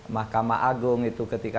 mahkamah agung itu ketika